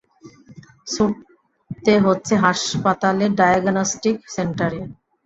ছুটতে হচ্ছে হাসপাতালে, ডায়াগনস্টিক সেন্টারে।